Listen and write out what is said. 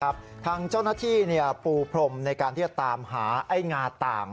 ทางเจ้าหน้าที่ปูพรมในการที่จะตามหาไอ้งาต่าง